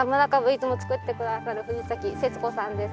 いつも作って下さる藤世津子さんです。